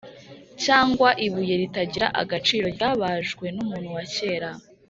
cyangwa ibuye ritagira agaciro ryabajwe n’umuntu wa kera.